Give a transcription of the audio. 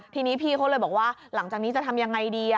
ทีนี้พี่เขาเลยบอกว่าหลังจากนี้จะทำยังไงดี